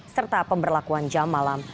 serta pemberlakuan jam malam